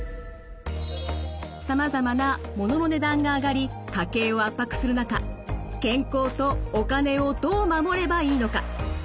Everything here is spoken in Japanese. さまざまな物の値段が上がり家計を圧迫する中健康とお金をどう守ればいいのか。